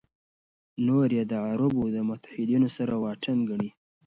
نور یې د عربو متحدینو سره واټن ګڼي.